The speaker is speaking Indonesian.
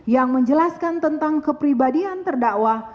yang menjelaskan tentang kepribadian terdakwa